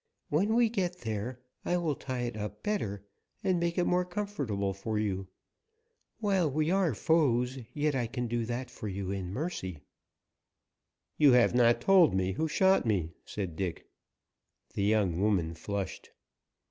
"When we get there I will tie it up better and make it more comfortable for you. While we are foes, yet I can do that for you in mercy." "You have not told me who shot me," said Dick. The young woman flushed.